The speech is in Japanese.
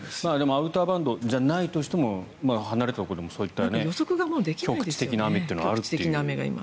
アウターバンドじゃないとしても離れたところでもそういった局地的な雨というのがあるというね。